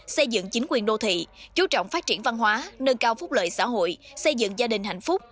xây dựng chính quyền đô thị chú trọng phát triển văn hóa nâng cao phúc lợi xã hội xây dựng gia đình hạnh phúc